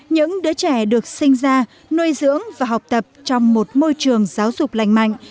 những đứa trẻ được sinh ra nuôi dưỡng và học tập trong một môi trường giáo dục lành mạnh